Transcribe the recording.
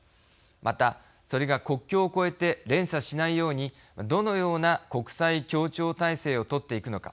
また、それが国境を越えて連鎖しないようにどのような国際協調体制を取っていくのか。